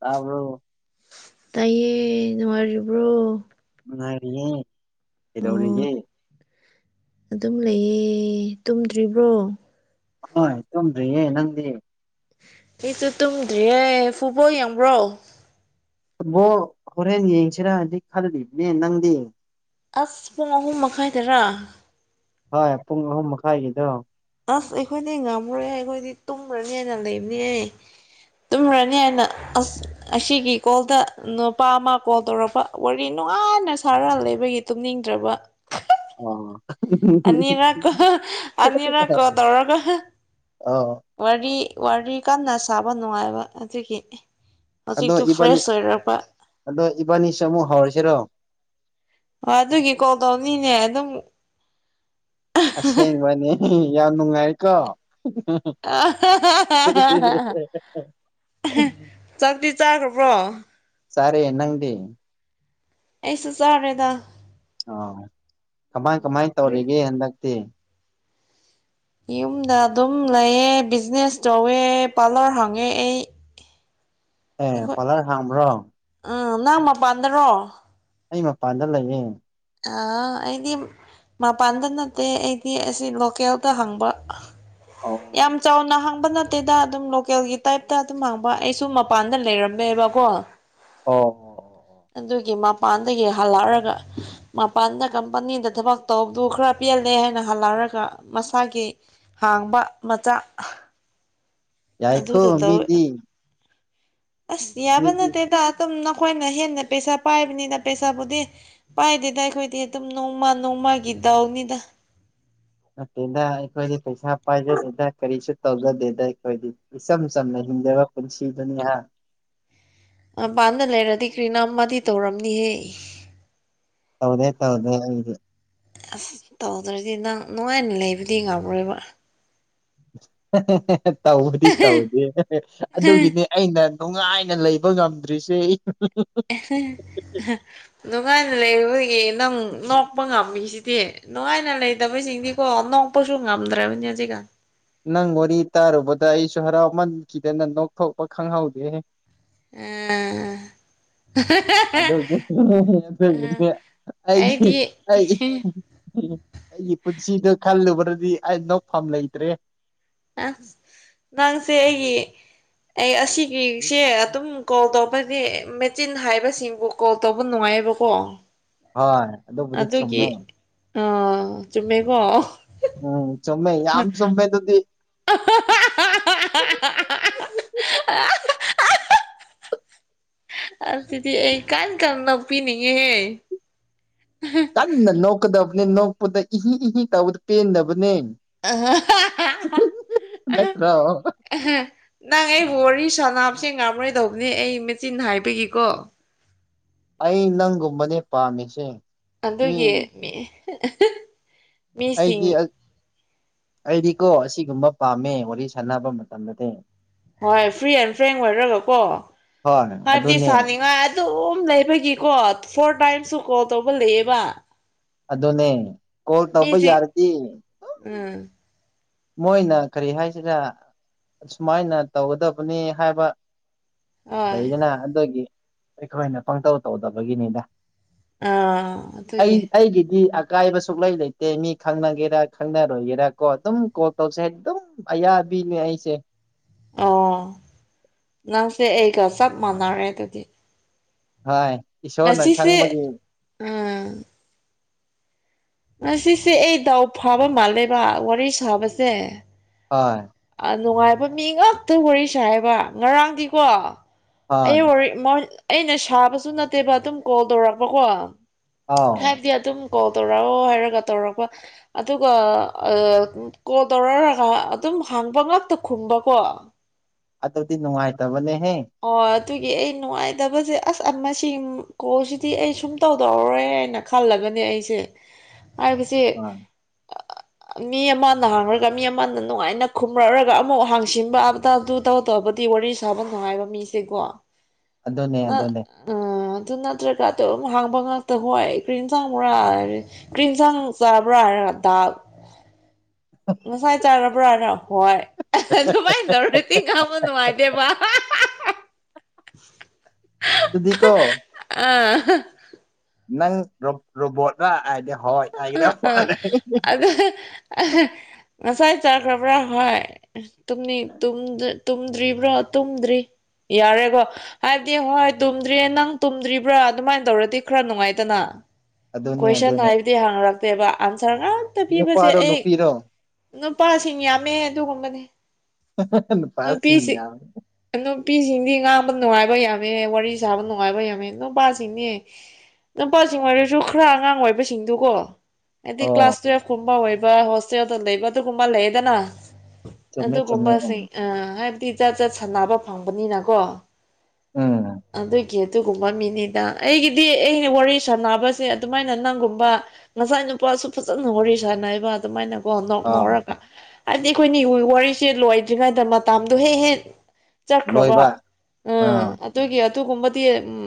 ꯇꯥꯕꯔ ꯇꯥꯏꯌꯦꯦ ꯅꯨꯡꯉꯥꯏꯔꯤꯕ꯭ꯔꯣ ꯉꯉꯔꯤꯌꯦ ꯗꯧꯔꯤꯁꯤ ꯑꯣ ꯑꯗꯨꯝ ꯂꯩꯌꯦ ꯇꯨꯝꯗ꯭ꯔꯤꯕ꯭ꯔꯣ ꯑ ꯇꯨꯝ꯭ꯔꯤ ꯅꯗꯤ ꯑꯩꯁꯨ ꯇꯨꯝꯗ꯭ꯔꯤꯌꯦꯦ ꯐꯨꯕꯣ ꯌꯥꯝꯕ꯭ꯔꯣ ꯕꯣ ꯍꯣꯔꯦꯟ ꯌꯦꯡꯁꯤꯔꯗꯤ ꯈꯜꯂꯤꯕꯅꯦ ꯅꯪꯗꯤ ꯌꯦꯡ ꯑꯁ ꯄꯨꯡ ꯑꯍꯨꯝ ꯃꯈꯥꯏꯗꯔꯥ ꯍꯣꯏ ꯄꯨꯡ ꯑꯍꯨꯝ ꯃꯈꯥꯏꯒꯤꯗꯣ ꯑꯁ ꯑꯩꯈꯣꯏꯗꯤ ꯉꯝꯃꯨꯔꯣꯏ ꯑꯩꯈꯣꯏꯗꯤ ꯇꯨꯝꯈ꯭ꯔꯅꯤꯅ ꯂꯩꯕꯅꯦꯌꯦ ꯇꯨꯝꯈ꯭ꯔꯅꯤ ꯍꯥꯏꯅ ꯑꯁ ꯑꯁꯤꯒꯤ ꯀꯣꯜꯗ ꯅꯨꯄꯥ ꯑꯃ ꯀꯣꯜ ꯇꯧꯔꯛꯄ ꯋꯥꯔꯤ ꯅꯨꯡꯉꯥꯏꯅ ꯁꯥꯔ ꯂꯩꯕꯒꯤ ꯇꯨꯝꯅꯤꯡꯗ꯭ꯔꯕ ꯑꯣ ꯑꯅꯤꯔ ꯀ ꯑꯅꯤꯔ ꯀꯣ ꯇꯧꯔ ꯀ ꯑꯣ ꯋꯥꯔꯤ ꯀꯟꯅ ꯁꯥꯕ ꯅꯨꯡꯉꯥꯏꯕ ꯑꯗꯨꯒꯤ ꯑꯗꯣ ꯍꯧꯖꯤꯛꯇꯨ ꯏꯕꯥꯅꯤ ꯐ꯭ꯔꯦꯁ ꯑꯣꯏꯔꯕ ꯑꯗꯣ ꯏꯕꯥꯅꯤꯁꯨ ꯑꯃꯨꯛ ꯍꯧꯔꯁꯤꯔꯣ ꯑꯣ ꯑꯗꯨꯒꯤ ꯀꯣꯜ ꯇꯧꯅꯤꯅꯦ ꯑꯗꯨꯝ ꯑꯁꯦꯡꯕꯅꯦ ꯌꯥꯝ ꯅꯨꯡꯉꯥꯏꯔꯀꯣ ꯑ ꯍꯥ ꯍꯥ ꯍꯥ ꯆꯥꯛꯇꯤ ꯆꯥꯈ꯭ꯔꯕ꯭ꯔꯣ ꯁꯔꯦ ꯏꯟꯅꯪꯗꯤ ꯑꯩꯁ ꯑꯔꯗꯥꯥ ꯑꯣ ꯀꯃꯥꯏ ꯀꯃꯥꯏ ꯇꯧꯔꯤꯒꯦ ꯍꯟꯗꯛꯇꯤ ꯌꯨꯝꯗ ꯑꯗꯨꯝ ꯂꯩꯌꯦ ꯕꯤꯖꯤꯅꯦꯁ ꯇꯧꯋꯦ ꯄꯥꯔꯂꯔ ꯍꯪꯉꯦ ꯑꯩ ꯑꯦ ꯑꯩꯈꯣꯏ ꯄꯂꯔ ꯍꯥꯝ ꯔꯣ ꯎꯝ ꯅꯪ ꯃꯄꯥꯟꯗꯔꯣ ꯑꯩ ꯃꯄꯥꯟꯗ ꯂꯩꯌꯦ ꯑ ꯑꯩꯗꯤ ꯃꯄꯥꯟꯗ ꯅꯠꯇꯦ ꯑꯩꯗꯤ ꯑꯁꯤ ꯂꯣꯀꯦꯜꯗ ꯍꯪꯕ ꯑꯣ ꯌꯥꯝ ꯆꯥꯎꯅ ꯍꯥꯡꯕ ꯅ ꯑꯇꯩꯗ ꯑꯗꯨꯝ ꯂꯣꯀꯦꯜꯒꯤ ꯇꯥꯏꯞꯇ ꯑꯗꯨꯝ ꯍꯥꯡꯕ ꯑꯩꯁꯨ ꯃꯄꯥꯟꯗ ꯂꯩꯔꯝꯃꯦꯕꯀꯣ ꯑꯣ ꯑꯣ ꯑꯗꯨꯒꯤ ꯃꯄꯥꯟꯗꯒꯤ ꯍꯜꯂꯛꯑꯒ ꯃꯄꯥꯟꯗ ꯀꯝꯄꯅꯤꯗ ꯊꯕꯛ ꯇꯧꯕꯗꯨ ꯈꯔ ꯄꯦꯜꯂꯦ ꯍꯥꯏꯅ ꯍꯜꯂꯛꯔꯒ ꯃꯁꯥꯒꯤ ꯍꯥꯡꯕ ꯃꯆꯥ ꯌꯥꯏꯈꯣ ꯑꯗꯨꯗ ꯇꯧꯋꯦ ꯃꯤꯗꯤ ꯑꯁ ꯌꯥꯕ ꯃꯤꯗꯤ ꯅꯠꯇꯦꯗ ꯑꯗꯨꯝ ꯅꯈꯣꯏꯅ ꯍꯦꯟꯅ ꯄꯩꯁꯥ ꯄꯥꯏꯕꯅꯤꯅ ꯄꯩꯁꯥꯕꯨꯗꯤ ꯄꯥꯏꯗꯦꯗ ꯑꯩꯈꯣꯏꯗꯤ ꯑꯗꯨꯝ ꯅꯣꯡꯃ ꯅꯣꯡꯃꯥꯒꯤ ꯗꯥꯎꯅꯤꯗ ꯅꯠꯇꯦꯗ ꯑꯩꯈꯣꯏꯗꯤ ꯄꯩꯁꯥ ꯄꯥꯏꯖꯗꯦꯗ ꯀꯔꯤꯁꯨ ꯇꯧꯖꯗꯦꯗ ꯑꯩꯈꯣꯏꯗꯤ ꯏꯆꯝ ꯆꯝꯅ ꯍꯤꯡꯖꯕ ꯄꯨꯟꯁꯤꯗꯨꯅꯤꯍꯥꯟ ꯃꯄꯥꯟꯗ ꯂꯩꯔꯗꯤ ꯀ꯭ꯔꯤꯅꯥꯝꯃ ꯇꯧꯔꯝꯅꯤꯍꯦ ꯇꯧꯗꯦ ꯇꯧꯗ ꯑꯁ ꯇꯧꯗ꯭ꯔꯗꯤ ꯅꯪ ꯅꯨꯡꯉꯥꯏꯅ ꯂꯩꯕꯗꯤ ꯉꯝꯔꯣꯏꯕ ꯇꯧꯗꯤ ꯇꯧꯗꯤ ꯑꯗꯨꯒꯤꯅꯦ ꯑꯩꯅ ꯅꯨꯡꯉꯥꯏꯅ ꯂꯩꯕ ꯉꯝꯗ꯭ꯔꯤꯁꯦ ꯅꯨꯡꯉꯥꯏꯅ ꯂꯩꯔꯨꯕꯒꯤ ꯅꯪ ꯅꯣꯛꯄ ꯉꯝꯃꯤꯁꯤꯗꯤ ꯅꯨꯡꯉꯥꯏꯅ ꯂꯩꯇꯕꯁꯤꯡꯗꯤꯀꯣ ꯅꯣꯛꯄꯁꯨ ꯉꯝꯗ꯭ꯔꯕꯅꯤ ꯍꯧꯖꯤꯛꯒ ꯅꯪ ꯋꯥꯔꯤ ꯇꯥꯔꯨꯕꯗ ꯑꯩꯁꯨ ꯍꯔꯥꯎꯃꯟꯈꯤꯗꯅ ꯅꯣꯛꯊꯣꯛꯄ ꯈꯪꯍꯧꯗꯦ ꯎ ꯍ ꯑꯗꯨꯒꯤ ꯑꯩꯒꯤ ꯑꯩꯗꯤ ꯑꯩꯒꯤ ꯑꯩꯒꯤ ꯄꯨꯟꯁꯤꯗ ꯈꯜꯂꯨꯕ꯭ꯔꯗꯤ ꯑꯩ ꯅꯣꯛꯐꯝ ꯂꯩꯇ꯭ꯔꯦ ꯑ ꯅꯪꯁꯦ ꯑꯩꯒꯤ ꯑꯩ ꯑꯁꯤꯒꯤꯁꯦ ꯑꯗꯨꯝ ꯀꯣꯜ ꯇꯧꯕꯅꯦ ꯃꯦꯆꯤꯟ ꯍꯥꯏꯕꯁꯤꯡꯕꯨ ꯀꯣꯜ ꯇꯧꯕ ꯅꯨꯡꯉꯥꯏꯌꯦꯕꯀꯣ ꯍꯣꯏ ꯑꯗꯨ ꯑꯗꯨꯒꯤ ꯑ ꯆꯨꯝꯃꯦꯀꯣ ꯎꯝ ꯆꯃꯦ ꯌꯥꯝ ꯆꯃꯦ ꯑꯗꯨꯗꯤ ꯍ ꯍꯣꯣ ꯑꯗꯨꯗꯤ ꯑꯩ ꯀꯥꯟ ꯀꯔꯅ ꯄꯤꯅꯤꯡꯉꯦꯍꯦ ꯀꯟꯅ ꯅꯣꯛꯀꯗꯕꯅꯤ ꯅꯣꯛꯄꯗ ꯏꯍꯤ ꯏꯍꯤ ꯇꯧꯕꯗ ꯄꯦꯟꯗꯕꯅꯦ ꯑ ꯅꯠꯇ꯭ꯔꯣ ꯑꯦꯍ ꯅꯪ ꯑꯩ ꯋꯥꯔꯤ ꯁꯥꯅꯥꯞꯁꯦ ꯉꯥꯝꯃꯔꯣꯏꯗꯧꯕꯅꯦ ꯑꯩ ꯃꯦꯆꯤꯟ ꯍꯥꯏꯕꯒꯤꯀꯣ ꯑꯩ ꯅꯪꯒꯨꯝꯕꯅꯦ ꯄꯥꯝꯃꯤꯁꯦ ꯃꯤ ꯑꯗꯨꯒꯤ ꯃꯤ ꯑꯩꯗꯤ ꯃꯤꯁꯤꯡ ꯑꯩꯗꯤꯀꯣ ꯑꯁꯤꯒꯨꯝꯕ ꯄꯥꯝꯃꯦ ꯋꯥꯔꯤ ꯁꯥꯟꯅꯕ ꯃꯇꯝꯗꯗꯤ ꯍꯣꯏ ꯐ꯭ꯔꯤ ꯑꯦꯟ ꯐ꯭ꯔꯦꯡ ꯑꯣꯏꯔꯒꯀꯣ ꯍꯣꯏ ꯍꯥꯏꯕꯗꯤ ꯑꯗꯨꯅꯦ ꯁꯥꯅꯤꯡꯉꯥꯏ ꯑꯗꯨꯝ ꯂꯩꯕꯒꯤꯀꯣ ꯐꯣꯔ ꯇꯥꯏꯝꯁꯁꯨ ꯀꯣꯜ ꯇꯧꯕ ꯂꯩꯌꯦꯕ ꯑꯗꯨꯅꯦ ꯀꯣꯜ ꯇꯧꯕ ꯃꯤꯁꯤ ꯌꯥꯔꯗꯤ ꯎꯝ ꯃꯣꯏꯅ ꯀꯔꯤ ꯍꯥꯏꯁꯤꯔ ꯁꯨꯃꯥꯏꯅ ꯇꯧꯒꯗꯕꯅꯤ ꯍꯥꯏꯕ ꯍꯣꯏ ꯂꯩꯗꯅ ꯑꯗꯨꯒꯤ ꯑꯩꯈꯣꯏꯅ ꯄꯪꯇꯧ ꯇꯧꯗꯕꯒꯤꯅꯤꯗ ꯑꯥ ꯑꯩ ꯑꯗꯨꯒꯤ ꯑꯩꯒꯤꯗꯤ ꯀꯥꯏꯕ ꯁꯨꯛꯂꯩ ꯂꯩꯇꯦ ꯃꯤ ꯈꯪꯅꯒꯦꯔꯥ ꯈꯪꯅꯔꯣꯏꯒꯦꯔꯥ ꯀꯣ ꯑꯗꯨꯝ ꯀꯣ ꯇꯧꯁꯦ ꯑꯗꯨꯝ ꯑꯌꯥꯕꯤꯅꯦ ꯑꯩꯁꯦ ꯑꯣ ꯅꯪꯁꯦ ꯑꯩꯒ ꯆꯞ ꯃꯥꯟꯅꯔꯦ ꯑꯗꯨꯗꯤ ꯍꯣꯏ ꯏꯁꯣꯔꯅ ꯉꯁꯤꯁꯦ ꯈꯪꯕꯒꯤ ꯎꯝ ꯉꯁꯤꯁꯤ ꯑꯩ ꯗꯥꯎ ꯐꯥꯕ ꯃꯥꯜꯂꯦꯕ ꯋꯥꯔꯤ ꯁꯥꯕꯁꯦ ꯍ ꯑꯩ ꯅꯨꯡꯉꯥꯏꯕ ꯃꯤ ꯉꯥꯛꯇ ꯋꯥꯔꯤ ꯁꯥꯏꯕ ꯉꯔꯥꯡꯗꯤꯀꯣ ꯍꯣꯏ ꯑꯩ ꯋꯥꯔꯤ ꯑꯩꯅ ꯁꯥꯕꯁꯨ ꯅꯠꯇꯦꯕ ꯑꯗꯨꯝ ꯀꯣꯜ ꯇꯧꯔꯛꯄꯀꯣ ꯑꯥꯎ ꯍꯥꯏꯕꯗꯤ ꯑꯗꯨꯝ ꯀꯣꯜ ꯇꯧꯔꯛꯑꯣ ꯍꯥꯏꯔꯒ ꯇꯧꯔꯛꯄ ꯑꯗꯨꯒ ꯀꯣꯜ ꯇꯧꯔꯛꯔꯒ ꯑꯗꯨꯝ ꯍꯥꯡꯕ ꯉꯥꯛꯇ ꯈꯨꯝꯕꯀꯣ ꯑꯗꯨꯕꯨꯗꯤ ꯅꯨꯡꯉꯥꯏꯇꯕꯅꯦꯍꯦ ꯑꯣ ꯑꯗꯨꯒꯤ ꯑꯩ ꯅꯨꯡꯉꯥꯏꯇꯕꯁꯦ ꯑꯁ ꯃꯁꯤ ꯀꯣꯜꯁꯤꯗꯤ ꯑꯩ ꯁꯨꯝ ꯇꯧꯗꯧꯔꯔꯦ ꯍꯥꯏꯅ ꯈꯜꯂꯒꯅꯦ ꯑꯩꯁꯦ ꯍꯥꯏꯔꯤꯕꯁꯤ ꯑꯥ ꯃꯤ ꯑꯃꯅ ꯍꯥꯡꯔꯒ ꯃꯤ ꯑꯃꯅ ꯅꯨꯡꯉꯥꯏꯅ ꯈꯨꯝꯔꯛꯔꯒ ꯑꯃꯨꯛ ꯍꯥꯡꯁꯤꯟꯕ ꯑꯇꯞꯇ ꯇꯧ ꯇꯕꯨꯗꯤ ꯋꯥꯔꯤ ꯁꯥꯕ ꯅꯨꯡꯉꯥꯏꯕ ꯃꯤꯁꯦꯀꯣ [inaudible] ꯑꯗꯨꯅꯦ ꯑꯗꯨꯅꯦ ꯑ ꯑꯗꯨ ꯅꯠꯇ꯭ꯔꯒ ꯑꯗꯨꯝ ꯍꯥꯡꯕ ꯉꯥꯛꯇ ꯍꯣꯏ ꯀ꯭ꯔꯤꯝ ꯆꯥꯡꯕꯨꯔꯥꯔꯦ ꯀ꯭ꯔꯤ ꯏꯟꯁꯥꯡ ꯆꯥꯕ꯭ꯔ ꯍꯥꯏꯔꯒ ꯗꯥꯜ ꯉꯁꯥꯏ ꯆꯥꯔꯕ꯭ꯔ ꯍꯥꯏꯔꯒ ꯍꯣꯏ ꯑꯍꯦ ꯑꯗꯨꯃꯥꯏꯅ ꯅꯧꯔꯇ ꯀꯃ ꯅꯨꯡꯉꯥꯏꯗꯦꯕ ꯑꯗꯨꯗꯤ ꯀꯣ ꯑꯥ ꯅꯪ ꯔꫭ ꯔꯣꯕꯣꯠꯔ ꯍꯥꯏꯔꯗꯤ ꯍꯣꯏ ꯑ ꯍꯥꯏꯒꯗꯕ ꯑꯥ ꯃꯥꯜꯂꯦ ꯑꯗ ꯉꯁꯥꯏ ꯆꯥꯈ꯭ꯔꯕ꯭ꯔꯥ ꯍꯥꯏ ꯇꯨꯝꯅꯤꯡ ꯇꯨꯝꯗ ꯇꯨꯝꯗ꯭ꯔꯤꯕ꯭ꯔꯣ ꯇꯨꯝꯗ꯭ꯔꯤ ꯌꯥꯔꯦꯀꯣ ꯍꯥꯏꯕꯗꯤ ꯍꯣꯏ ꯇꯨꯝꯗ꯭ꯔꯤꯌꯦ ꯅꯪ ꯇꯨꯝꯗ꯭ꯔꯤꯕ꯭ꯔꯥ ꯑꯗꯨꯃꯥꯏꯅ ꯇꯧꯔꯗꯤ ꯈꯔ ꯅꯨꯡꯉꯥꯏꯗꯅ ꯑꯗꯨꯅꯦ ꯀꯣꯏꯁꯟ ꯑꯗꯨꯅꯦ ꯍꯥꯏꯕꯗꯤ ꯍꯪꯔꯛꯇꯦꯕ ꯑꯟꯁꯔ ꯉꯥꯛꯇ ꯄꯤꯕꯁꯦ ꯅꯨꯄꯥꯔꯣ ꯑꯩ ꯅꯨꯄꯤꯔꯣ ꯅꯨꯄꯥꯁꯤꯡ ꯌꯥꯝꯃꯦ ꯑꯗꯨꯒꯨꯝꯕꯅꯦ ꯍ ꯍ ꯍ ꯅꯨꯄꯥꯁꯤꯡ ꯅꯨꯄꯤꯁꯤ ꯌꯥꯝꯃꯦ ꯅꯨꯄꯤꯁꯤꯡꯗꯤ ꯉꯥꯡꯕ ꯅꯨꯡꯉꯥꯏꯕ ꯌꯥꯝꯃꯦ ꯋꯥꯔꯤ ꯁꯥꯕ ꯅꯨꯡꯉꯥꯏꯕ ꯌꯥꯝꯃꯦ ꯅꯨꯄꯥꯁꯤꯡꯅꯦ ꯅꯨꯄꯥꯁꯤꯡ ꯑꯣꯏꯔꯁꯨ ꯈꯔ ꯑꯉꯥꯡ ꯑꯣꯏꯕꯁꯤꯡꯗꯨꯒꯣ ꯍꯥꯏꯗꯤ ꯑꯣ ꯀ꯭ꯂꯥꯁ ꯇꯨꯋꯦꯜꯐ ꯀꯨꯝꯕ ꯑꯣꯏꯕ ꯍꯣꯁ ꯍꫭꯁꯇꯦꯜꯗ ꯂꯩꯕꯒꯨꯝꯕ ꯑꯗꯨꯒꯨꯝꯕ ꯂꯩꯌꯦꯗꯅ ꯆꯨꯝꯃꯦ ꯆꯨꯝꯃꯦ ꯎꯝ ꯑꯗꯨꯒꯨꯝꯕꯁꯤꯡ ꯑ ꯍꯥꯏꯕꯗꯤ ꯆꯖꯠ ꯆꯠ ꯁꯥꯟꯅꯕ ꯐꯪꯕꯅꯤꯅꯀꯣ ꯎꯝ ꯑꯗꯨ ꯀꯦ ꯑꯗꯨꯒꯨꯝꯕ ꯃꯤꯅꯤꯗ ꯑꯩꯒꯤꯗꯤ ꯑꯩꯅ ꯋꯥꯔꯤ ꯁꯥꯟꯅꯕꯁꯦ ꯑꯗꯨꯃꯥꯏꯅ ꯅꯪꯒꯨꯝꯕ ꯉꯁꯥꯏ ꯅꯨꯄꯥꯁꯨ ꯐꯖꯅ ꯋꯥꯔꯤ ꯁꯥꯟꯅꯩꯕ ꯑꯗꯨꯃꯥꯏꯅꯀꯣ ꯅꯣꯛ ꯑꯥ ꯅꫭꯛꯔꯒ ꯍꯥꯏꯗꯤ ꯑꯩꯈꯣꯏꯅꯤ ꯋꯥꯔꯤꯁꯦ ꯂꯣꯏꯗ꯭ꯔꯤꯉꯩꯗ ꯃꯇꯥꯝꯗꯣ ꯍꯦꯛ ꯍꯦꯛ ꯆꯠꯈ꯭ꯔꯕꯣ ꯂꯣꯏꯕ ꯎꯝ ꯑꯥ ꯑꯗꯨꯒꯤ ꯑꯗꯨꯒꯨꯝꯕꯗꯤ ꯎꯝ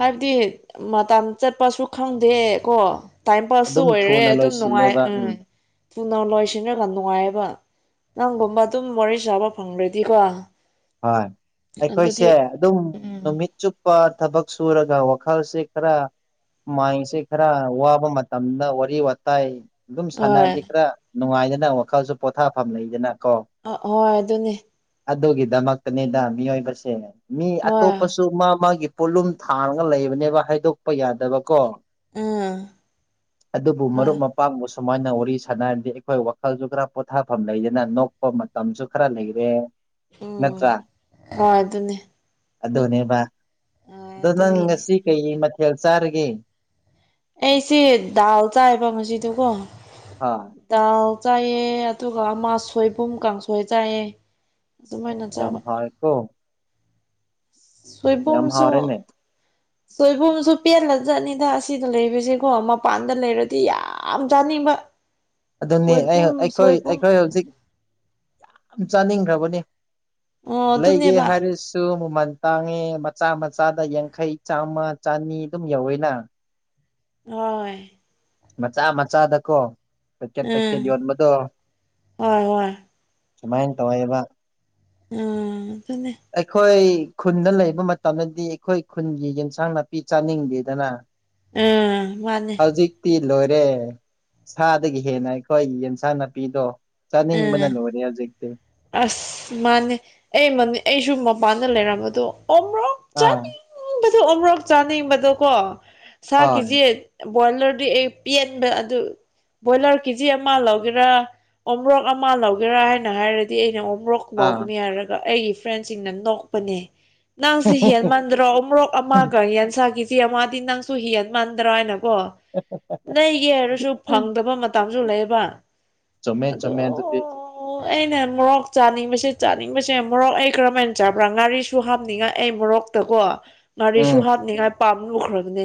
ꯍꯥꯏꯕꯗꯤ ꯃꯇꯝ ꯆꯠꯄꯁꯨ ꯈꯪꯗꯦ ꯀꯣ ꯇꯥꯏꯝ ꯄꯥꯁꯁꯨ ꯑꯗꯨꯝ ꯑꯣꯏꯔꯦ ꯊꯨꯅ ꯑꯗꯨꯝ ꯅꯨꯡꯉꯥꯏ ꯂꯣꯏꯁꯤꯜꯂꯦꯕ ꯎꯝ ꯊꯨꯅ ꯂꯣꯏꯁꯤꯟꯔꯒ ꯅꯨꯡꯉꯥꯏꯑꯕ ꯅꯪꯒꯨꯝꯕ ꯑꯗꯨꯝ ꯋꯥꯔꯤ ꯁꯥꯕ ꯐꯪꯔꯗꯤꯀꯣ ꯍꯣꯏ ꯑꯩꯈꯣꯏꯁꯦ ꯑꯗꯨꯝ ꯎꯝ ꯅꯨꯃꯤꯠ ꯆꯨꯞꯄ ꯊꯕꯛ ꯁꯨꯔꯒ ꯋꯥꯈꯜꯁꯦ ꯈꯔ ꯃꯥꯏꯟꯁꯦ ꯈꯔ ꯋꯥꯕ ꯃꯇꯝꯗ ꯋꯥꯔꯤ ꯋꯥꯇꯥꯏ ꯑꯗꯨꯝ ꯍꯣꯏ ꯁꯥꯟꯅꯔꯗꯤ ꯈꯔ ꯅꯨꯡꯉꯥꯏꯗꯅ ꯋꯥꯈꯜꯁꯨ ꯄꯣꯊꯥꯐꯝ ꯂꯩꯗꯅ ꯀꯣ ꯑ ꯍꯣꯏ ꯑꯗꯨꯅꯦ ꯑꯗꯨꯒꯤꯗꯃꯛꯇꯅꯤꯗ ꯃꯤꯑꯣꯏꯕꯁꯦ ꯃꯤ ꯍꯣꯏ ꯑꯇꯣꯞꯄꯁꯨ ꯃꯥ ꯃꯥꯒꯤ ꯄꯣꯠꯂꯨꯝ ꯊꯥꯡꯔꯒ ꯂꯩꯕꯅꯦꯕ ꯍꯥꯏꯗꯣꯛꯄ ꯌꯥꯗꯕꯀꯣ ꯎꯝ ꯑꯗꯨꯕꯨ ꯍꯣꯏ ꯃꯔꯨꯞꯃꯄ ꯄꯥꯥꯡꯕꯨ ꯁꯨꯃꯥꯏꯅ ꯋꯥꯔꯤ ꯁꯥꯟꯅꯔꯗꯤ ꯑꯩꯈꯣꯏ ꯋꯥꯈꯜꯁꯨ ꯈꯔ ꯄꯣꯊꯥꯐꯝ ꯂꯩꯗꯅ ꯅꯣꯛꯄ ꯃꯇꯝꯁꯨ ꯈꯔ ꯂꯩꯔꯦ ꯎꯝ ꯅꯠꯇ꯭ꯔꯥ ꯍꯣꯏ ꯑꯗꯨꯅꯦ ꯑꯗꯨꯅꯦꯕ ꯍꯣꯏ ꯑꯗꯣ ꯅꯪ ꯑꯗꯨꯒꯤꯅꯦ ꯉꯁꯤ ꯀꯩ ꯃꯊꯦꯜ ꯆꯥꯔꯒꯦ ꯑꯩꯁꯤꯦ ꯗꯥꯎ ꯆꯥꯏꯕ ꯉꯗꯀꯣ ꯍ ꯗꯥꯎ ꯆꯥꯏꯑ ꯑꯗꯨꯒ ꯑꯃꯁꯣꯏꯕꯨꯝ ꯀꯥꯡꯁꯣꯏ ꯆꯥꯏꯌꯦ ꯑꯣ ꯑꯗꯨꯃꯥꯏꯅ ꯌꯥꯝ ꯆꯥꯕ ꯍꯥꯥꯔꯀꯣ ꯌꯥꯝ ꯁꯕꯝꯁ ꯍꯥꯎꯔꯦꯅꯦ ꯁꯣꯏꯕꯨꯝꯁꯨ ꯄꯦꯜꯂ ꯆꯠꯅꯤꯗ ꯑꯁꯤꯗ ꯂꯩꯕꯁꯀꯣ ꯃꯄꯥꯟꯗ ꯂꯩꯔꯗꯤ ꯌꯥꯝ ꯆꯥꯅꯤꯡꯕ [inaudible] ꯑꯗꯨꯅꯤ ꯁꯣꯏꯕꯨꯝ ꯑꯩꯈꯣꯏ ꯁꯣꯏꯕꯨꯝ ꯑꯩꯈꯣꯏ ꯍꯧꯖꯤꯛ ꯌꯥꯝ ꯆꯥꯅꯤꯡꯈ꯭ꯔꯕꯅꯤ ꯑꯣ ꯂꯩꯒꯦ ꯑꯗꯨꯅꯦꯕ ꯍꯥꯏꯔꯤꯁ ꯁꯨ ꯃꯃꯟ ꯇꯥꯡꯉꯦ ꯃꯆꯥ ꯃꯆꯥꯗ ꯌꯥꯡꯈꯩ ꯆꯥꯝꯃ ꯆꯅꯤ ꯑꯗꯨꯝ ꯌꯧꯋꯦꯅ ꯍꯣꯏ ꯃꯆꯥ ꯃꯆꯥꯗꯀꯣ ꯄꯦꯛꯀꯦꯠ ꯎꯝ ꯄꯦꯛꯀꯦꯠ ꯌꯣꯟꯕꯗꯣ ꯍꯣꯏ ꯍꯣꯏ ꯁꯨꯃꯥꯏꯅ ꯇꯧꯋꯦꯕ ꯑ ꯑꯗꯨꯅꯦ ꯑꯩꯈꯣꯏ ꯈꯨꯟꯗ ꯂꯩꯕ ꯃꯇꯝꯗꯗꯤ ꯑꯩꯈꯣꯏ ꯈꯨꯟꯒꯤ ꯌꯦꯟꯁꯥꯡ ꯅꯥꯄꯤ ꯆꯥꯅꯤꯡꯗꯦꯗꯅ ꯎꯝ ꯃꯥꯅꯦ ꯅꯥꯄꯤ ꯂꯣꯏꯔꯦ ꯁꯥꯗꯒꯤ ꯍꯦꯟꯅ ꯑꯩꯈꯣꯏꯒꯤ ꯌꯦꯟꯁꯥꯡ ꯅꯥꯄꯤꯗꯣ ꯆꯥꯅꯤꯡ ꯎꯝ ꯃꯅꯜ ꯑꯣꯏꯅꯤ ꯍꯧꯖꯤꯛꯛꯇ ꯑꯁ ꯃꯥꯅꯦ ꯑꯦ ꯃꯅꯦ ꯑꯩꯁꯨ ꯃꯄꯥꯟꯗ ꯂꯩꯔꯝꯕꯗꯣ ꯑꯣ꯭ꯔꯣ ꯑꯥ ꯆꯅꯤ ꯆꯕꯗ ꯑꯃꯨꯔꯛ ꯆꯥꯅꯤꯡꯕꯗꯣꯀꯣ ꯍꯣꯏ ꯁꯥꯀꯤꯁꯦ ꯕꯣꯏꯂꯔꯗꯤ ꯑꯩ ꯄꯦꯟꯕ ꯑꯗꯨ ꯕꯣꯏꯂꯔ ꯀꯦꯖꯤ ꯑꯃ ꯂꯧꯒꯦꯔꯥ ꯑꯣꯔꯣꯛ ꯑꯃ ꯂꯧꯒꯦꯔꯥ ꯍꯥꯏꯅ ꯍꯥꯏꯔꯗꯤ ꯑꯩꯅ ꯑꯣꯔꯣꯛ ꯑꯥ ꯂꯧꯥꯎꯒꯅꯤ ꯍꯥꯏꯔꯒ ꯑꯩꯒꯤ ꯐ꯭ꯔꯦꯟꯁꯤꯡꯅ ꯅꯣꯛꯄꯅꯦ ꯅꯪꯁꯦ ꯍꯦꯟ ꯃꯟꯗ꯭ꯔꯣ ꯑꯃꯨꯔꯣꯛ ꯑꯃꯒ ꯌꯦꯟꯁꯥꯒꯤ ꯏꯦ ꯃꯥꯗꯤ ꯅꯪꯁꯨ ꯍꯤꯍꯟ ꯃꯥꯟꯗ꯭ꯔꯥ ꯍꯥꯏꯅꯀꯣ ꯑꯣ ꯑꯣ ꯅꯒꯤ ꯍꯥꯏꯔꯁꯨ ꯐꯪꯗꯕ ꯃꯇꯝꯁꯨ ꯂꯩꯌꯦꯕ ꯆꯨꯝꯃꯦ ꯆꯨꯝꯃꯦ ꯑꯗꯨꯗꯤ ꯑꯣ ꯑꯩꯅ ꯃꯣꯔꯣꯛ ꯆꯥꯅꯤꯡꯕꯁꯦ ꯆꯥꯅꯤꯡꯕꯁꯦ ꯃꯣꯔꯣꯛ ꯑꯩ ꯀꯔꯝꯥꯏꯅ ꯆꯥꯕ꯭ꯔꯥ ꯉꯥꯔꯤꯁꯨ ꯍꯥꯞꯅꯤꯡꯉꯥꯏ ꯑꯩ ꯃꯣꯔꯣꯛ ꯀꯣ ꯉꯥꯔꯤꯁꯨ ꯎꯝ ꯍꯥꯞꯅꯤꯡꯉꯥꯏ ꯄꯥꯝ ꯂꯨꯈ꯭ꯔꯕꯅꯦ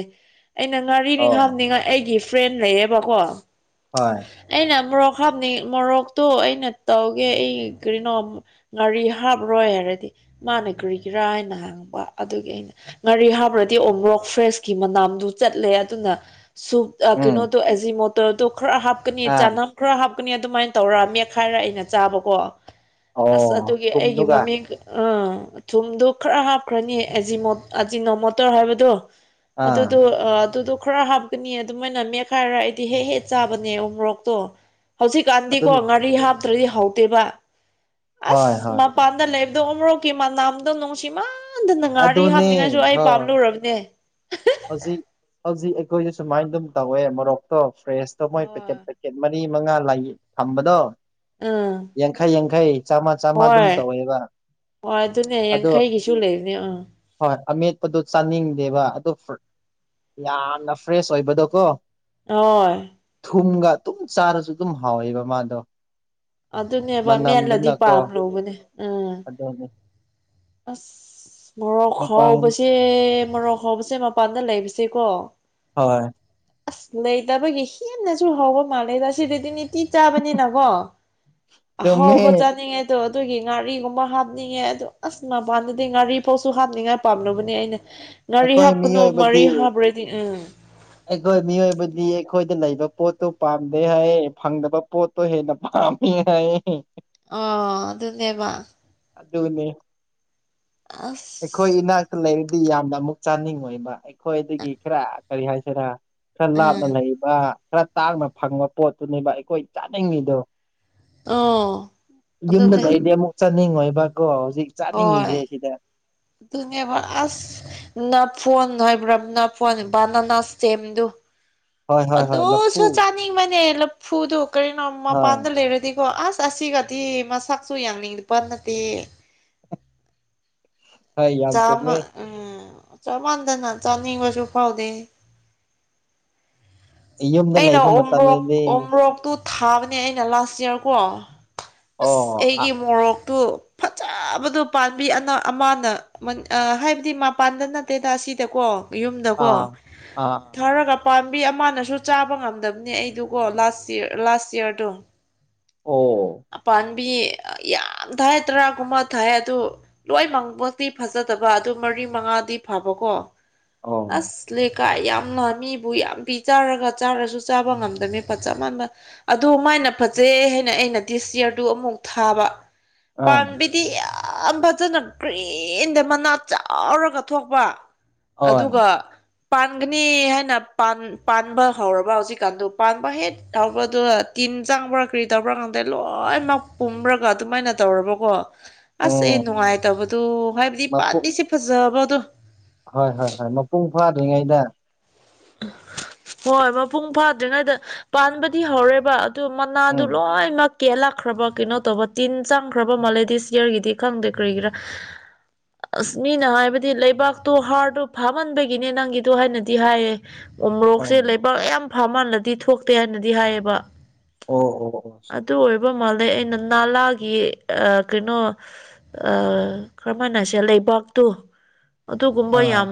ꯑꯩꯅ ꯉꯥꯔꯤꯅꯤ ꯑꯣ ꯍꯥꯞꯅꯤꯡꯉꯥꯏ ꯑꯩꯒꯤ ꯐ꯭ꯔꯦꯟ ꯂꯩꯌꯦꯕꯀꯣ ꯍꯣꯏ ꯑꯩꯅ ꯃꯣꯔꯣꯛ ꯍꯥꯞꯅꯤꯡ ꯃꯣꯔꯣꯛꯇꯣ ꯑꯩꯅ ꯇꯧꯒꯦ ꯑꯩ ꯀꯔꯤꯩꯅꯣ ꯉꯥꯔꯤ ꯍꯥꯞꯔꯣꯏ ꯍꯥꯏꯔꯗꯤ ꯃꯥꯅ ꯀꯔꯤꯒꯤꯔꯥ ꯍꯥꯏꯅ ꯍꯪꯛꯕ ꯑꯗꯨꯒꯤ ꯑꯩꯅ ꯉꯥꯔꯤ ꯍꯥꯕ꯭ꯔꯗꯤ ꯑꯣꯝꯕ꯭ꯔꯣꯛ ꯐ꯭ꯔꯦꯁꯀꯤ ꯃꯅꯥꯝꯗꯨ ꯆꯠꯂꯦ ꯑꯗꯨꯅ ꯁꯞ ꯎꯝ ꯀꯩꯅꯣꯗꯣ ꯑꯦꯖꯤ ꯃꯣꯇꯔꯗꯣ ꯈꯔ ꯍꯥꯞꯀꯅꯤ ꯑꯥ ꯆꯅꯝ ꯈꯔ ꯍꯥꯞꯀꯅꯤ ꯑꯗꯨꯃꯥꯏꯅ ꯇꯧꯔ ꯃꯦꯠꯈꯥꯏꯔ ꯑꯩꯅ ꯆꯥꯕꯀꯣ ꯑꯁ ꯑꯣ ꯑꯗꯨꯒꯤ ꯑꯩꯒꯤ ꯊꯨꯝꯗꯨꯒ ꯃꯃꯤꯡ ꯑꯥ ꯊꯨꯝꯗꯨ ꯈꯔ ꯍꯥꯞꯈ꯭ꯔꯅꯤ ꯑꯖꯤ ꯑꯖꯤꯅꯣ ꯃꯣꯇꯣꯔ ꯍꯥꯏꯕꯗꯣ ꯑꯥ ꯑꯗꯨꯗꯣ ꯑꯗꯨꯗꯣ ꯈꯔ ꯍꯥ ꯀꯨꯅꯤ ꯑꯗꯨꯃꯥꯏꯅ ꯃꯦꯠꯈꯥꯏꯔ ꯑꯩꯗꯤ ꯍꯦꯛ ꯍꯦꯛ ꯆꯥꯕꯅꯦ ꯎ ꯃꯣꯔꯣꯛꯇꯣ ꯑꯗꯨꯝ ꯍꯧꯖꯤꯛꯀꯥꯟꯗꯤꯀꯣ ꯉꯥꯔꯤ ꯍꯥꯞꯇ꯭ꯔꯗꯤ ꯍꯧꯗꯦꯕ ꯍꯣꯏ ꯑꯁ ꯍꯣꯏ ꯍꯣꯏ. ꯃꯄꯥꯟꯗ ꯂꯩꯕꯗꯧꯔꯣ ꯀꯦ ꯃꯥ ꯅꯥꯝꯗꯣ ꯅꯨꯡꯁꯤꯃ ꯍꯗꯅ ꯉꯥꯔꯤ ꯑꯗꯨꯅꯦ ꯍꯥꯞꯅꯤꯡꯉꯥꯏꯁꯨ ꯑꯩ ꯍꯣꯏ ꯄꯥꯝꯂꯨꯔꯕꯅꯦ ꯍꯧꯖꯤꯛ ꯍꯧꯖꯤꯛ ꯑꯩꯈꯣꯏꯁꯨ ꯁꯨꯃꯥꯏꯅ ꯑꯗꯨꯝ ꯇꯧꯋꯦ ꯃꯣꯔꯣꯛꯇꯣ ꯐ꯭ꯔꯦꯁꯇꯣ ꯃꯣꯏ ꯄꯦꯀꯦꯠ ꯍꯣꯏ ꯄꯦꯀꯦꯠ ꯃꯔꯤ ꯃꯉꯥ ꯊꯝꯕꯗꯣ ꯎꯝ ꯌꯥꯡꯈꯩ ꯌꯥꯡꯈꯩ ꯆꯥꯝꯃ ꯆꯥꯝꯃ ꯑꯗꯨꯝ ꯍꯣꯏ ꯇꯧꯋꯦꯕ ꯍꯣꯏ ꯑꯗꯨꯅꯦ ꯑꯗꯣ ꯌꯥꯡꯈꯩꯒꯤꯁꯨ ꯂꯩꯕꯅꯦ ꯎꯝ ꯍꯣꯏ ꯑꯃꯦꯠꯄꯗꯣ ꯆꯥꯅꯤꯡꯗꯦꯕ ꯑꯗꯨ ꯌꯥꯝꯅ ꯐ꯭ꯔꯦꯁ ꯑꯣꯏꯕꯗꯣ ꯀꯣ ꯍ ꯊꯨꯝꯒ ꯑꯗꯨꯝ ꯆꯥꯔꯁꯨ ꯑꯗꯨꯝ ꯍꯥꯎꯋꯦꯕ ꯃꯥꯗꯣ ꯑꯗꯨꯅꯦꯕ ꯃꯦꯜꯂꯗꯤ ꯄꯥꯝ ꯂꯨꯧꯕꯅꯦ ꯑꯗꯨꯗꯦ ꯑꯁ ꯃꯣꯔꯣꯛ ꯃꯄꯥꯟ ꯍꯥꯎꯕꯁꯦ ꯃꯣꯔꯣꯛ ꯍꯥꯎꯕꯁꯦ ꯃꯄꯥꯟꯗ ꯂꯩꯕꯁꯦꯀꯣ ꯍꯣꯏ ꯑꯁ ꯂꯩꯇꯕꯒꯤ ꯍꯦꯟꯅꯁꯨ ꯍꯥꯎꯕ ꯃꯥꯜꯂꯦꯗ ꯑꯁꯤ ꯗꯤ ꯅꯤꯇꯤ ꯆꯥꯕꯅꯤꯅꯀꯣ ꯆꯨꯝꯃꯦ ꯍꯥꯎꯕ ꯆꯥꯅꯤꯡꯉꯦ ꯑꯣ ꯑꯗꯨꯒꯤ ꯉꯥꯔꯤꯒꯨꯝꯕ ꯍꯥꯞꯅꯤꯡꯉꯦ ꯑꯗꯨ ꯑꯁ ꯃꯄꯥꯟꯗꯗꯤ ꯉꯥꯔꯤ ꯐꯥꯎꯁꯨ ꯍꯥꯞꯅꯤꯡꯉꯥꯏ ꯄꯥꯝꯅꯕꯅꯦ ꯑꯩꯅ ꯉꯥꯔꯤ ꯑꯩꯈꯣꯏ ꯍꯥꯞꯀꯅꯣ ꯃꯔꯤ ꯃꯤꯑꯣꯏꯕꯗꯤ ꯍꯥꯞꯄ꯭ꯔꯗꯤ ꯎꯝ ꯑꯩꯈꯣꯏ ꯃꯤꯑꯣꯏꯕꯗꯤ ꯑꯩꯈꯣꯏꯗ ꯂꯩꯕ ꯄꯣꯠꯇꯨ ꯄꯥꯝꯗꯦ ꯍꯥꯏ ꯐꯪꯗꯕ ꯄꯣꯠ ꯍꯦꯗ ꯍꯥꯏ ꯑꯣ ꯑꯗꯨꯅꯦꯕ ꯑꯗꯨꯗꯅꯦꯅꯤ ꯑꯐ ꯑꯩꯈꯣꯏ ꯏꯅꯥꯛꯇ ꯂꯩꯔꯗꯤ ꯌꯥꯝꯅ ꯑꯃꯨꯛ ꯆꯥꯅꯤꯡꯉꯣꯏꯕ ꯑꯩꯈꯣꯏꯗꯒꯤ ꯈꯔ ꯀꯔꯤ ꯍꯥꯏꯁꯤꯔꯥ ꯈꯔ ꯎꯝ ꯂꯥꯞꯅ ꯂꯩꯕ ꯈꯔ ꯇꯥꯡꯅ ꯐꯪꯕ ꯄꯣꯠꯇꯨꯅꯦꯕ ꯑꯩꯈꯣꯏ ꯆꯥꯅꯤꯡꯉꯤꯗꯣ ꯑꯣ ꯑꯗꯨꯅꯦ ꯌꯨꯝꯗꯗꯒꯤꯩꯗꯤ ꯑꯃꯨꯛ ꯆꯥꯅꯤꯡꯉꯣꯏꯕꯀꯣ ꯍꯧꯖꯤꯛ ꯍꯣꯏ ꯆꯥꯅꯤꯡꯉꯤꯁꯦ ꯁꯤꯗ ꯑꯗꯨꯅꯦꯕ ꯑꯁ ꯅꯐꯣꯟ ꯍꯥꯏꯕ꯭ꯔꯥ ꯐꯣꯟ ꯕꯅꯅꯦꯝꯗꯨ ꯍꯣꯏ ꯍꯣꯏ ꯍꯣꯏ ꯂꯐꯨ ꯑꯗꯨꯣꯁꯨ ꯆꯥꯅꯤꯡꯕꯅꯦ ꯂꯐꯨꯗꯣ ꯀꯔꯤꯅꯣ ꯍꯣꯏ ꯃꯄꯥꯟꯗ ꯂꯩꯔꯗꯤ ꯀꯣ ꯑꯁ ꯑꯁꯤꯒꯗꯤ ꯃꯁꯛꯁꯨ ꯌꯥꯡꯅꯤꯡꯗꯤ ꯄ ꯅꯠꯇꯦ ꯍꯣꯏ ꯌꯥꯝ ꯆꯨꯝꯃꯦ ꯆꯥꯃ ꯎꯝ ꯆꯥ ꯃꯥꯟꯗꯅ ꯆꯥꯅꯤꯡꯕꯁꯨ ꯐꯥꯎꯗꯦ ꯌꯨꯝꯗ ꯑꯩꯅ ꯂꯩꯕ ꯑꯣꯝ꯭ꯔꯛ ꯃꯇꯝꯗꯗꯤ ꯑꯣꯝ꯭ꯔꯛ ꯇ ꯊꯥꯕꯅꯦ ꯑꯩꯅ ꯂꯥꯁ ꯏꯌꯥꯔꯀꯣ ꯑꯁ ꯑꯣ ꯑꯥ ꯑꯩꯒꯤ ꯃꯣꯔꯣꯛꯇꯨ ꯐꯖꯕꯗꯣ ꯄꯥꯝꯕꯤ ꯑꯅ ꯑꯃꯅ ꯍꯥꯏꯕꯗꯤ ꯃꯄꯥꯟꯗ ꯅꯠꯇꯦꯗ ꯑꯁꯤꯗꯀꯣ ꯌꯨꯝꯗꯀꯣ ꯑꯥ ꯑꯥ ꯊꯔꯒ ꯄꯥꯝꯕꯤ ꯑꯃꯅꯁꯨ ꯆꯥꯕ ꯉꯝꯗꯕꯅꯦ ꯑꯩꯗꯨꯒꯣ ꯂꯥꯁ ꯂꯥꯁ ꯌꯤꯌꯥꯔꯗꯣ ꯑꯣ ꯑꯄꯥꯅꯤ ꯃꯤ ꯌꯥꯝ ꯊꯥꯏ ꯇꯔꯥꯒꯨꯝꯕ ꯊꯥꯏ ꯑꯗꯨ ꯂꯣꯏ ꯃꯪꯕ ꯇꯤ ꯐꯖꯗꯕ ꯑꯗꯨ ꯃꯔꯤ ꯃꯉꯥꯗꯤ ꯐꯕꯀꯣ ꯑꯣ ꯑꯁ ꯂꯩ ꯂꯩꯀꯥꯏ ꯌꯥꯝꯅ ꯃꯤꯕꯨ ꯌꯥꯝ ꯄꯤ ꯆꯥꯔꯒ ꯆꯥꯔꯁꯨ ꯆꯥꯕ ꯉꯝꯗꯃꯦ ꯐꯖ ꯃꯟꯕ ꯑꯗ ꯃꯥꯏꯅ ꯐꯖꯩ ꯍꯥꯏꯅ ꯑꯩꯅ ꯗꯤꯁ ꯌꯔꯗꯨ ꯑꯃꯨꯛ ꯊꯥꯕ ꯑꯥ ꯄꯥꯝꯕꯤꯗꯤ ꯌꯥꯝ ꯐꯖꯅ ꯍꯦꯟꯗ ꯃꯅꯥ ꯆꯥꯎꯔꯒ ꯊꯣꯛꯄ ꯍꯣꯏ ꯑꯗꯨꯒ ꯄꯥꯟꯒꯅꯤ ꯍꯥꯏꯅ ꯄꯥꯟꯕ ꯍꯧꯔꯕ ꯍꯧꯖꯤꯛꯀꯥꯟꯗꯨ ꯄꯥꯟꯕ ꯍꯦꯛ ꯍꯧꯕꯗꯨ ꯏꯁꯀꯤꯟ ꯆꯥꯡꯕ꯭ꯔꯥ ꯀ꯭ꯔꯤ ꯇꯧꯕ꯭ꯔꯥ ꯀꯇ ꯂꯣꯏꯅꯃꯛ ꯄꯨꯝ꯭ꯔꯒ ꯑꯗꯨꯃꯥꯏꯅ ꯇꯧꯔꯕꯀꯣ ꯑꯁ ꯑꯦ ꯎꯝ ꯅꯨꯡꯉꯥꯏꯇꯕꯗꯣ ꯍꯥꯏꯕꯗꯤ ꯃꯄꯨꯡ ꯄꯥꯝꯕꯤꯁꯦ ꯐꯖꯕꯗꯣ ꯍꯣꯏ ꯍꯣꯏ ꯍꯣꯏ ꯃꯄꯨꯡ ꯐꯥꯗ꯭ꯔꯤꯉꯩꯗ ꯍꯣꯏ ꯃꯄꯨꯡ ꯐꯥꯗ꯭ꯔꯤꯉꯩꯗ ꯄꯥꯟꯕꯗꯤ ꯍꯧꯔꯦꯕ ꯑꯗꯨ ꯃꯅꯥꯗꯨ ꯎꯝ ꯂꯣꯏꯅꯃꯛ ꯀꯦꯜꯂꯛꯈ꯭ꯔꯕ ꯀꯩꯅꯣ ꯇꯧꯕ ꯇꯤꯟ ꯆꯪꯈ꯭ꯔꯕ ꯃꯥꯂꯦꯗꯤꯁ ꯌꯌꯥꯔꯒꯤꯗꯤ ꯈꯪꯗꯦ ꯀꯔꯤꯒꯤꯔꯥ ꯑꯁ ꯃꯤꯅ ꯍꯥꯏꯕꯗꯤ ꯂꯩꯕꯥꯛꯇꯣ ꯍꯥꯔꯗꯣ ꯐꯥꯝꯃꯟꯕꯒꯤꯅꯦ ꯅꯪꯒꯤꯗꯣ ꯍꯥꯏꯅꯗꯤ ꯍꯥꯏꯌꯦ ꯎꯣꯔꯣꯛꯁꯦ ꯑꯣ ꯂꯩꯕꯥꯛ ꯌꯥꯝ ꯐꯥꯃꯜꯂꯗꯤ ꯊꯣꯛꯇꯦ ꯍꯥꯏꯅꯗꯤ ꯍꯥꯏꯌꯦꯕ ꯑꯣ ꯑꯣ ꯑꯣ ꯑꯗꯨ ꯑꯣꯏꯕ ꯃꯥꯜꯂꯩ ꯑꯩꯅ ꯅꯥꯂꯥꯒꯤ ꯀꯩꯅꯣ ꯀꯔꯝꯍꯥꯏꯅꯁꯦ ꯂꯩꯕꯥꯛꯇꯣ ꯑꯗꯨꯒꯨꯝꯕ ꯑꯥ ꯌꯥꯝ